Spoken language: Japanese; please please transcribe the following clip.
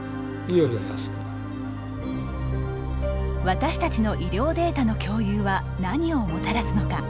私たちの医療データの共有は何をもたらすのか。